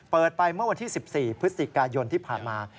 ไปเมื่อวันที่๑๔พฤศจิกายนที่ผ่านมา